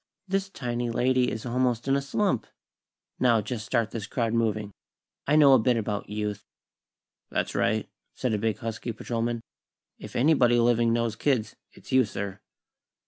This tiny lady is almost in a slump. Now, just start this crowd moving. I know a bit about Youth." "That's right," said a big, husky patrolman. "If anybody living knows kids, it's you, sir."